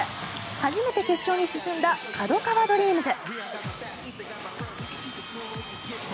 初めて決勝に進んだＫＡＤＯＫＡＷＡＤＲＥＡＭＳ。